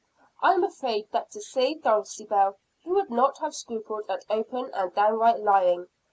I am afraid, that to save Dulcibel, he would not have scrupled at open and downright lying.